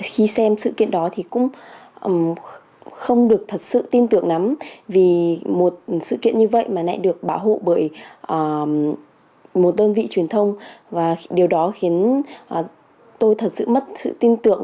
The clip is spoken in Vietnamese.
khi xem sự kiện đó thì cũng không được thật sự tin tưởng lắm vì một sự kiện như vậy mà lại được bảo hộ bởi một đơn vị truyền thông và điều đó khiến tôi thật sự mất sự tin tưởng